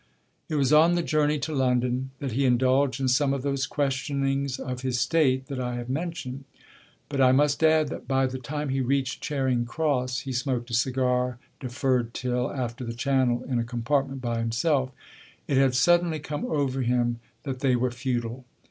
It was on the journey to London that he indulged in some of those questionings of his state that I have mentioned; but I must add that by the time he reached Charing Cross he smoked a cigar deferred till after the Channel in a compartment by himself it had suddenly come over him that they were futile.